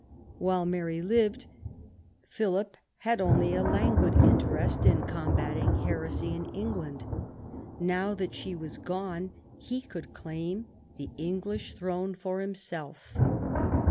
While Mary lived, Philip had only a languid interest in combating heresy in England. Now that she was gone, he could claim the English throne for himself.